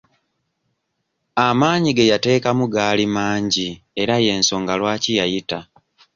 Amaanyi ge yateekamu gaali mangi era y'ensonga lwaki yayita.